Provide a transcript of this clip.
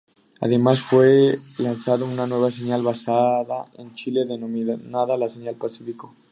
Además, fue lanzado una nueva señal basada en Chile, denominada la señal Pacífico.